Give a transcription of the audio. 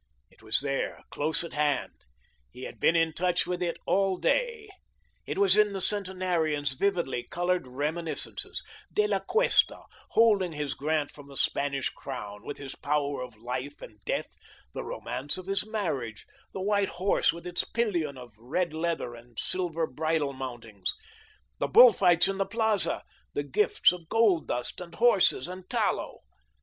It was there, close at hand, he had been in touch with it all day. It was in the centenarian's vividly coloured reminiscences De La Cuesta, holding his grant from the Spanish crown, with his power of life and death; the romance of his marriage; the white horse with its pillion of red leather and silver bridle mountings; the bull fights in the Plaza; the gifts of gold dust, and horses and tallow.